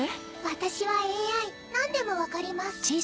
私はＡＩ何でも分かります。